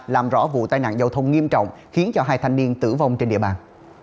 làm rõ vụ tai nạn giao thông nghiêm trọng khiến cho hai thanh niên tử vong trên địa bàn